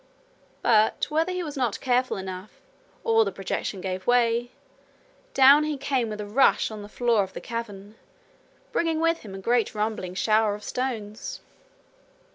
But whether he was not careful enough, or the projection gave way, down he came with a rush on the floor of the cavern, bringing with him a great rumbling shower of stones.